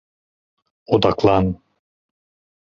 Odaklan.